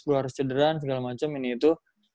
gue harus cederaan segala macem ini itu